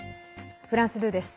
フランス２です。